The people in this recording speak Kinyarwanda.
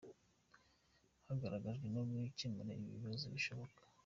Hagaragajwe ko gukemura ibi bibazo bishoboka.